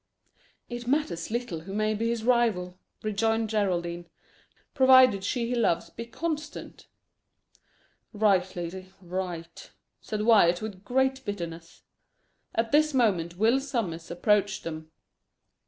"It matters little who may be his rival," rejoined Geraldine, "provided she he loves be constant." "Right, lady, right," said Wyat, with great bitterness. At this moment Will Sommers approached them.